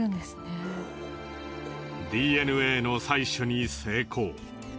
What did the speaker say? ＤＮＡの採取に成功。